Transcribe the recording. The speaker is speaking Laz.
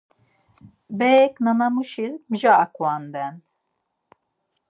Berek nana muşis mja aǩvanden.